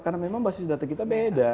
karena memang basis data kita beda